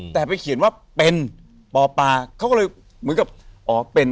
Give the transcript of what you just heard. แต่ไปเขียนว่าเป็นปอปาเขาก็เลยเหมือนกับอ๋อเป็น